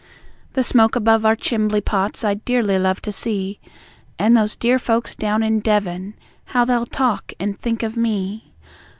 The smoke above our chimbley pots I'd dearly love to see, And those dear folks down in Devon, how they'll talk and think of me.